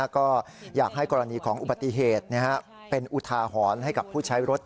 ก็อยากให้กรณีของอุบัติเหตุเป็นอุทาหรณ์ให้กับผู้ใช้รถ